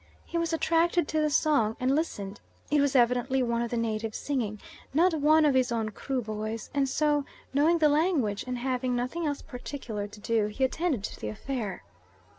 He was attracted to the song and listened: it was evidently one of the natives singing, not one of his own Kruboys, and so, knowing the language, and having nothing else particular to do, he attended to the affair.